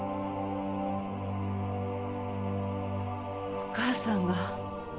お義母さんが。